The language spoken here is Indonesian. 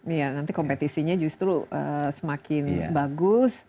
iya nanti kompetisinya justru semakin bagus